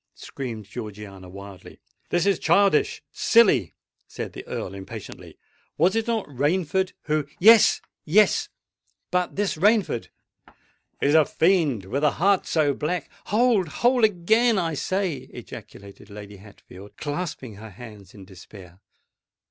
screamed Georgiana wildly. "This is childish—silly!" said the Earl impatiently. "Was it not Rainford who——" "Yes—yes: but this Rainford——" "Is a fiend, with a heart so black——" "Hold! hold! again I say," ejaculated Lady Hatfield, clasping her hands in despair.